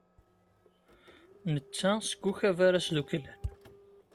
Netta seg ukabar asduklan.